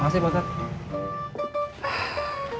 makasih pak ustadz